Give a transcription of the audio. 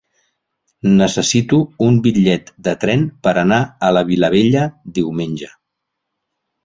Necessito un bitllet de tren per anar a la Vilavella diumenge.